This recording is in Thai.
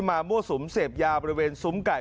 มั่วสุมเสพยาบริเวณซุ้มไก่